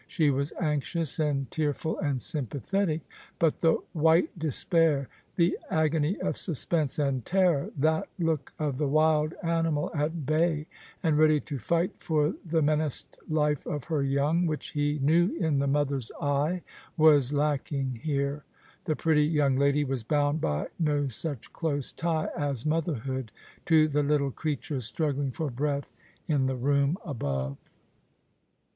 She was anxious and tearful and sympathetic ; but the white despair, the agony of suspense and terror — that look of the wild animal at bay, and ready to fight for the menaced life of her young, which he knew in the mother's eye, was lacking here. This pretty young lady was bound by no such close tie as motherhood to the little creature struggling for breath in the room above.